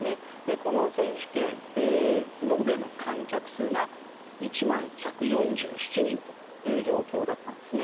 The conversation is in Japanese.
この選手権、延べの観客数が１万１４７人という状況だったんですね。